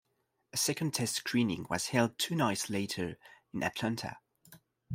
A second test screening was held two nights later in Atlanta.